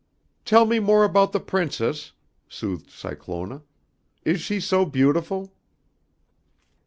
"Tell me more about the Princess," soothed Cyclona, "is she so beautiful?"